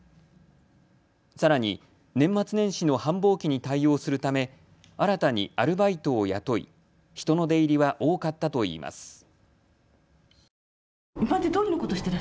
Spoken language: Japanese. さらに年末年始の繁忙期に対応するため新たにアルバイトを雇い人の出入りは多かったといいます。